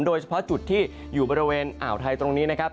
โดยเฉพาะจุดที่อยู่บริเวณอ่าวไทยตรงนี้นะครับ